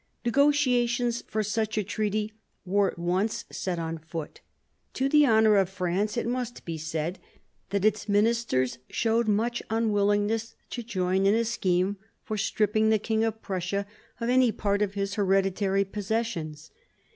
Negotiations for such a treaty were at once set on foot. To the honour of France it must be said that its ministers showed much unwillingness to join in a scheme for stripping the King of Prussia of any part of his hereditary possessions.